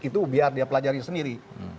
itu biar dia pelajari sendiri